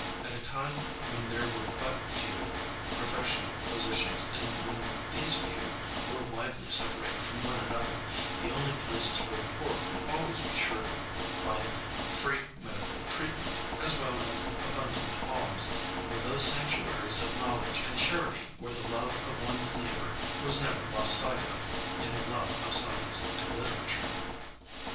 At a time when there were but few professional physicians and when these few were widely separated from one another, the only places where the poor could always be sure to find free medical treatment as well as abundant alms were those sanctuaries of knowledge and charity where the love of one's neighbor was never lost sight of in the love of science and literature.